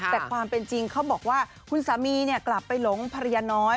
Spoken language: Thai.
แต่ความเป็นจริงเขาบอกว่าคุณสามีกลับไปหลงภรรยาน้อย